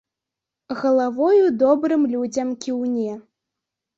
Галавою добрым людзям кіўне.